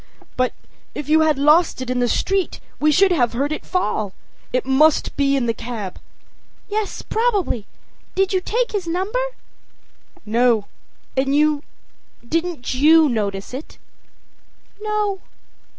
â âBut if you had lost it in the street we should have heard it fall. It must be in the cab.â âYes, probably. Did you take his number?â âNo. And you didn't you notice it?â âNo.